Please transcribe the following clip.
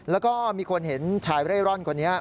แล้วก็มีคนเห็นชายเร่ร่อนคนนี้